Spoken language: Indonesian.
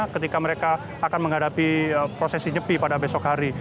ketika mereka akan menghadapi prosesi nyepi pada besok hari